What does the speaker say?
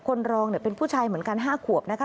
คนรองเป็นผู้ชายเหมือนกัน๕ขวบนะคะ